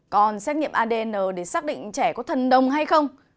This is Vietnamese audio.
còn xét nghiệm adn để xác định trẻ có thần đồng hay không